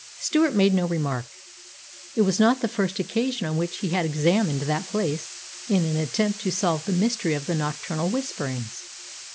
Stewart made no remark. It was not the first occasion on which he had examined that place in an attempt to solve the mystery of the nocturnal whisperings.